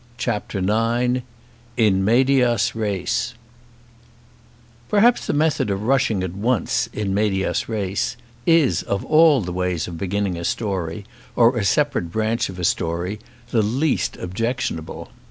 CHAPTER IX "In Medias Res" Perhaps the method of rushing at once "in medias res" is, of all the ways of beginning a story, or a separate branch of a story, the least objectionable.